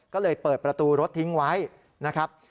ก็เลยเปิดประตูรถทิ้งไว้นะครับ